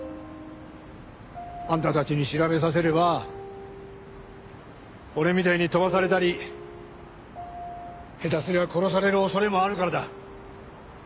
あんたたちに調べさせれば俺みたいに飛ばされたり下手すれば殺される恐れもあるからだ。